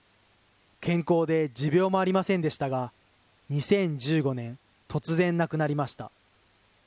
健康で持病もありませんでしたが、２０１５年、突然亡くなりました。